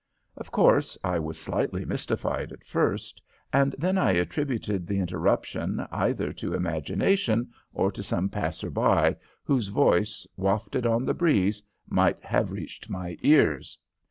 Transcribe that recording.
Of course, I was slightly mystified at first, and then I attributed the interruption either to imagination or to some passer by, whose voice, wafted on the breeze, might have reached my ears.